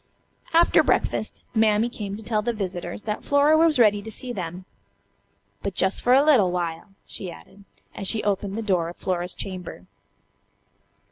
After breakfast Mammy came to tell the visitors that Flora was ready to see them. "But jus' for a little while," she added, as she opened the door of Flora's chamber.